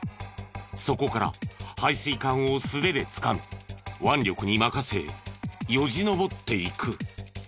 そこから排水管を素手でつかみ腕力に任せよじ登っていく。